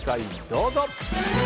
どうぞ。